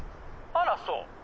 「あらそう？」。